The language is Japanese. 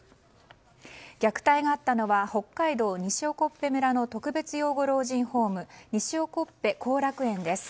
虐待があったのは北海道西興部村の特別養護老人ホームにしおこっぺ興楽園です。